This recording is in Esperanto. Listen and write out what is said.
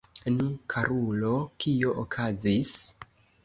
Nu, karulo, kio okazis?